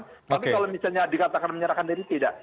tapi kalau misalnya dikatakan menyerahkan diri tidak